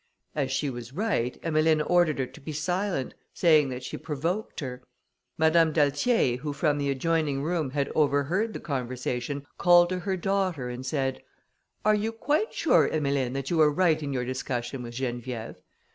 As she was right, Emmeline ordered her to be silent, saying that she provoked her. Madame d'Altier, who from the adjoining room, had overheard the conversation, called to her daughter, and said, "Are you quite sure, Emmeline, that you were right in your discussion with Geneviève?